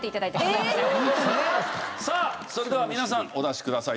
さあそれでは皆さんお出しください